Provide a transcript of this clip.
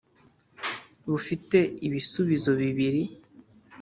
bufite ibisubizo bibiri